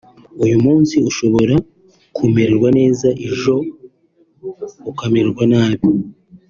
uyu munsi ushobora kumererwa neza ijo ukamererwa nabi